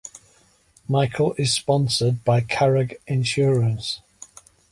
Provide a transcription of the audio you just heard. Michael is sponsored by Carraig Insurance.